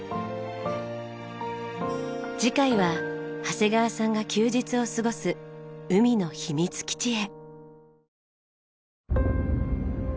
次回は長谷川さんが休日を過ごす海の秘密基地へ。